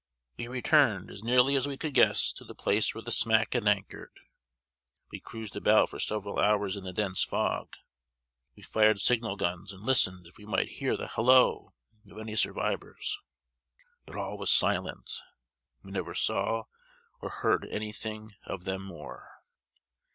We returned, as nearly as we could guess, to the place where the smack had anchored. We cruised about for several hours in the dense fog. We fired signal guns, and listened if we might hear the halloo of any survivors: but all was silent we never saw or heard any thing of them more."